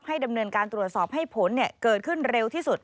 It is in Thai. ดำเนินการตรวจสอบให้ผลเกิดขึ้นเร็วที่สุด